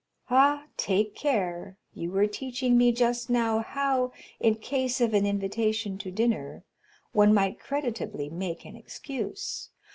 "Ah, take care, you were teaching me just now how, in case of an invitation to dinner, one might creditably make an excuse.